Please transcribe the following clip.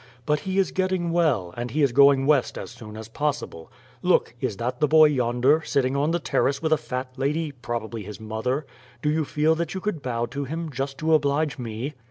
"But he is getting well, and he is going West as soon as possible. Look, is that the boy yonder, sitting on the terrace with a fat lady, probably his mother? Do you feel that you could bow to him, just to oblige me?"